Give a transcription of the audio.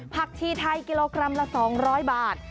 ผักชีไทยกิโลกรัมละ๒๐๐บาท